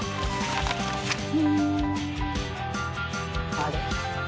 あれ？